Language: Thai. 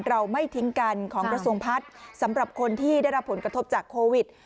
เราไม่ทิ้งกันของกระทรวงพัฒน์สำหรับคนที่ได้รับผลกระทบจากโควิด